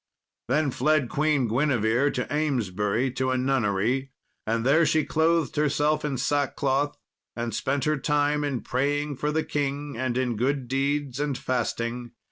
Then fled Queen Guinevere to Amesbury to a nunnery, and there she clothed herself in sackcloth, and spent her time in praying for the king and in good deeds and fasting.